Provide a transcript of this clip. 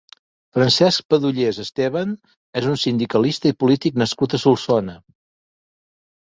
Francesc Padullés Esteban és un sindicalista i polític nascut a Solsona.